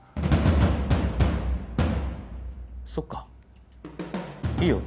そっかいいよ